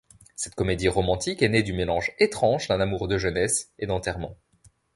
Cette comédie romantique est née du mélange étrange d'un amour de jeunesse et d'enterrements.